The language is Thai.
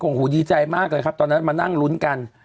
กลงหูดีใจมากเลยครับตอนนี้มานั่งรุ้นกัน